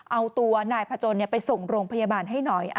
เอาตัวนายพจนไปส่งโรงพยาบาลให้หน่อย